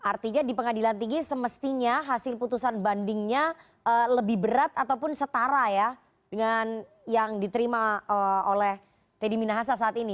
artinya di pengadilan tinggi semestinya hasil putusan bandingnya lebih berat ataupun setara ya dengan yang diterima oleh teddy minahasa saat ini